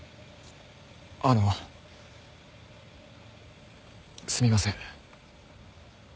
あのすみません。